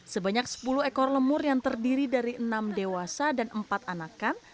sebanyak sepuluh ekor lemur yang terdiri dari enam dewasa dan empat anakan